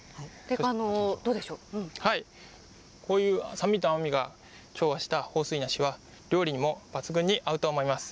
こういう酸味と甘みが調和した豊水梨は料理にも抜群に合うと思います。